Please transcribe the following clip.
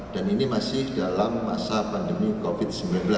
dan ini masih dalam masa pandemi covid sembilan belas